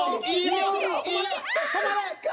いいよ！